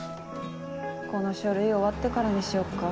この書類終わってからにしよっか。